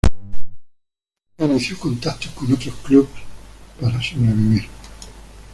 Así que inició contactos con otros clubes para sobrevivir.